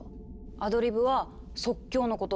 アドリブは「即興」のこと。